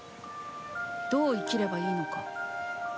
どう生きればいいのか。